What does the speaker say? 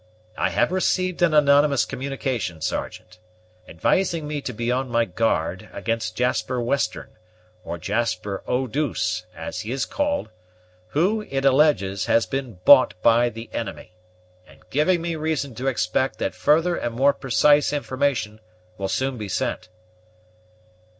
I have received an anonymous communication, Sergeant, advising me to be on my guard against Jasper Western, or Jasper Eau douce, as he is called, who, it alleges, has been bought by the enemy, and giving me reason to expect that further and more precise information will soon be sent."